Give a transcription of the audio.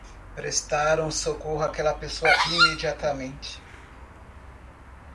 Prestaram socorro àquela pessoa imediatamente.